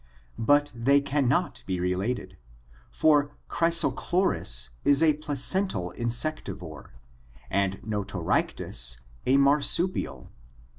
But they can not be related, for Ckrysochloris is a placental insectivore and Notoryctes a marsupial.